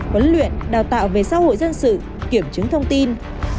huấn luyện đào tạo về xã hội dân sự kiểm chứng thông tin